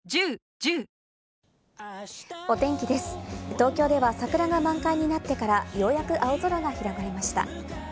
東京では桜が満開になってから、ようやく青空が広がりました。